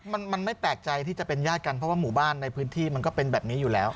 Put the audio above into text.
มันมันไม่แปลกใจที่จะเป็นญาติกันเพราะว่าหมู่บ้านในพื้นที่มันก็เป็นแบบนี้อยู่แล้ว